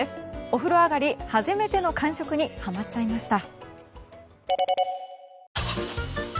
お風呂上がり、初めての感触にはまっちゃいました。